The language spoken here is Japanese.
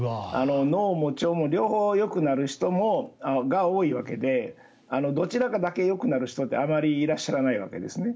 脳も腸も両方よくなる人が多いわけでどちらかだけよくなる人ってあまりいらっしゃらないわけですね。